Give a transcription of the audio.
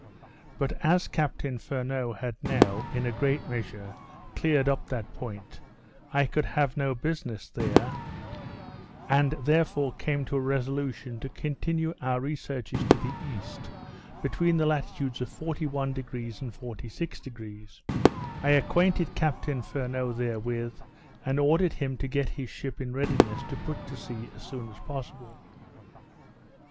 But as Captain Furneaux had now, in a great measure, cleared up that point, I could have no business there; and therefore came to a resolution to continue our researches to the east, between the latitudes of 41° and 46°. I acquainted Captain Furneaux therewith, and ordered him to get his ship in readiness to put to sea as soon as possible.